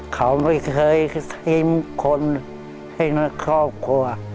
เขาไม่เคยทิ้งคนให้ครอบครัว